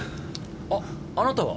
あっあなたは。